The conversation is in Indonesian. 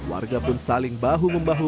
warga pun saling bahu membahu